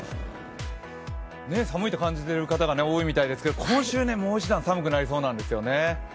寒いと感じている方が多いみたいですけど、今週ね、もう一段寒くなりそうなんですよね。